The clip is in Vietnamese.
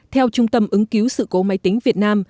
theo trung tâm ứng cứu sự cố máy tính việt nam